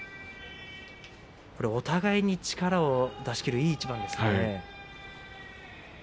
お互いに力を出し切るいい一番ですね。